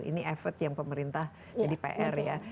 ini effort yang pemerintah jadi pr ya